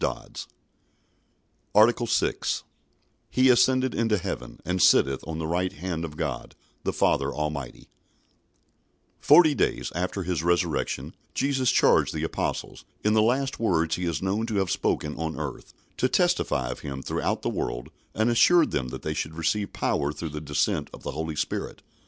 ARTICLE 6 He ascended into heaven, and sitteth on the right hand of God the Father Almighty Forty days after His resurrection Jesus charged the Apostles, in the last words He is known to have spoken on earth, to testify of Him throughout the world, and assured them that they should receive power through the descent of the Holy Spirit.